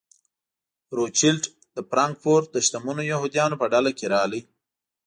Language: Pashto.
روچیلډ د فرانکفورټ د شتمنو یهودیانو په ډله کې راغی.